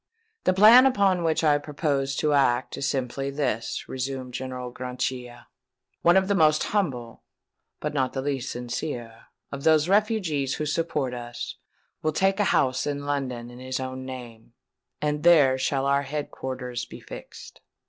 "The plan upon which I propose to act is simply this," resumed General Grachia:—"one of the most humble, but not the least sincere, of those refugees who support us, will take a house in London in his own name; and there shall our head quarters be fixed.